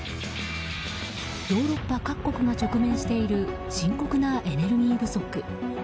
ヨーロッパ各国が直面している深刻なエネルギー不足。